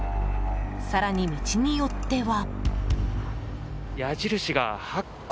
更に、道によっては。